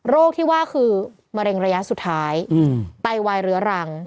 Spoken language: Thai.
ที่ว่าคือมะเร็งระยะสุดท้ายไตวายเรื้อรัง